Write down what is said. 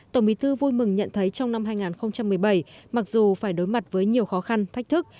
tổng bí thư vui mừng nhận thấy trong năm hai nghìn một mươi bảy mặc dù phải đối mặt với nhiều khó khăn thách thức